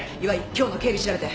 今日の警備調べて。